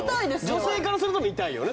女性からすると見たいよね